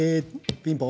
ピンポン！